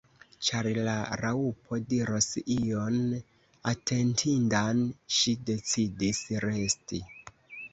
Ĉar la Raŭpo diros ion atentindan, ŝi decidis resti.